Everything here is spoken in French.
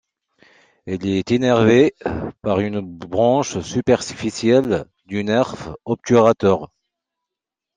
Il est innervé par une branche superficielle du nerf obturateur.